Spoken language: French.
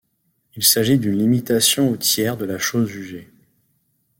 Il s'agit d'une limitation aux tiers de la chose jugée.